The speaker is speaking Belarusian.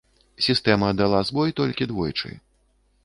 Сістэма дала збой толькі двойчы.